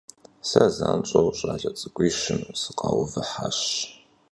Сэ занщӀэу щӀалэ цӀыкӀуищым сыкъаувыхьащ.